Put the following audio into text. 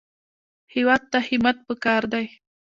هېواد ته همت پکار دی